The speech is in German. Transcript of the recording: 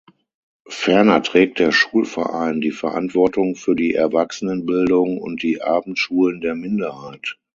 Ferner trägt der Schulverein die Verantwortung für die Erwachsenenbildung und die Abendschulen der Minderheit.